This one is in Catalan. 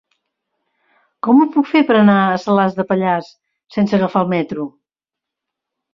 Com ho puc fer per anar a Salàs de Pallars sense agafar el metro?